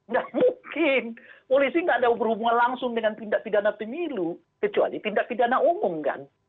nggak mungkin polisi nggak ada berhubungan langsung dengan tindak pidana pemilu kecuali tindak pidana umum kan